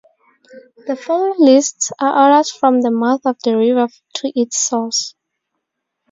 The following lists are ordered from the mouth of the river to its source.